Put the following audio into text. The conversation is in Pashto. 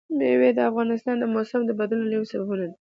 مېوې د افغانستان د موسم د بدلون یو له لویو سببونو ده.